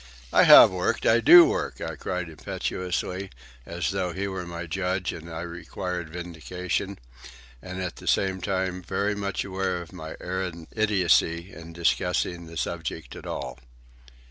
"I have worked, I do work," I cried impetuously, as though he were my judge and I required vindication, and at the same time very much aware of my arrant idiocy in discussing the subject at all.